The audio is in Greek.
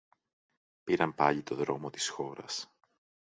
Πήραν πάλι το δρόμο της χώρας.